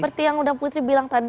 seperti yang udah putri bilang tadi